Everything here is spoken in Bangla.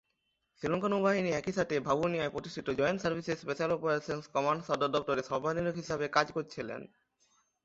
শ্রীলঙ্কা নৌবাহিনী একই সাথে ভাভুনিয়ায় প্রতিষ্ঠিত joint services special operations command সদর দপ্তরের সর্বাধিনায়ক হিসাবে কাজ করেছিলেন।